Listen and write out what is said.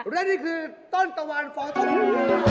และนี่คือต้นตะวานฟ้องเต้าหู้